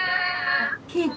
ケーキ。